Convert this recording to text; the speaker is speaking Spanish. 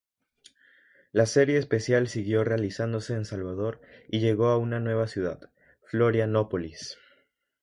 La serie especial siguió realizándose en Salvador y llegó a una nueva ciudad, Florianópolis.